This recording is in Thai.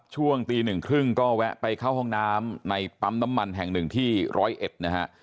ช่วงตีหนึ่งครึ่งก็แวะไปเข้าห้องน้ำในปั๊มน้ำมันแห่งหนึ่งที่ร้อยเอ็ดนะฮะ